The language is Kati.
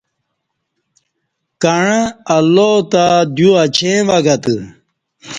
کعں اللہ تہ دیو اڄیں وگہ تہ